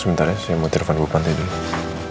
sebentar ya saya mau tiru van bupantai dulu